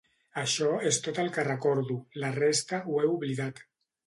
Això és tot el que recordo: la resta, ho he oblidat.